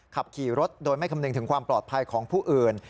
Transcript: ขับขี่รถโดยไม่คำนึงถึงความปลอดภัยของผู้อื่น